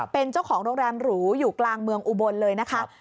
เป็นเจ้าของโรงแรมหรูอยู่กลางเมืองอุบลเลยนะคะ